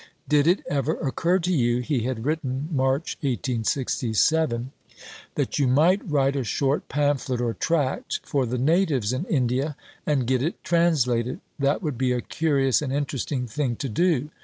"Did it ever occur to you," he had written (March 1867), "that you might write a short pamphlet or tract for the natives in India and get it translated? That would be a curious and interesting thing to do.